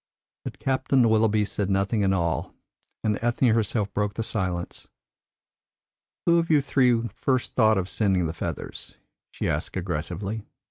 But Captain Willoughby said nothing at all, and Ethne herself broke the silence. "Who of you three first thought of sending the feathers?" she asked aggressively.